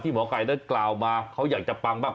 หมอไก่ได้กล่าวมาเขาอยากจะปังมาก